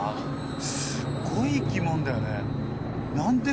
すっごい生き物だよね